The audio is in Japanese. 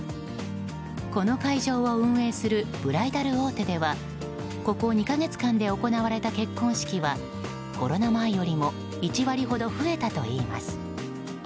この会場を運営するブライダル大手ではここ２か月間で行われた結婚式はコロナ前よりも１割ほど増えたといいます。